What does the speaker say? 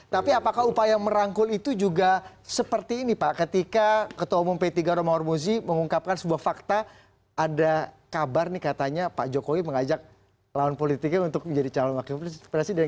tapi apakah upaya merangkul itu juga seperti ini pak ketika ketua umum p tiga romahur muzi mengungkapkan sebuah fakta ada kabar nih katanya pak jokowi mengajak lawan politiknya untuk menjadi calon wakil presiden